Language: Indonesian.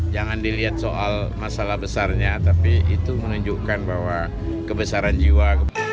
jangan dilihat soal masalah besarnya tapi itu menunjukkan bahwa kebesaran jiwa